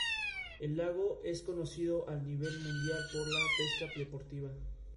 El lago es conocido al nivel mundial por la pesca deportiva.